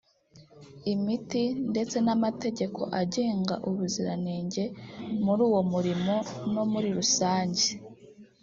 imiti ndetse n’amategeko agenga ubuziranenge muri uwo murimo no muri rusange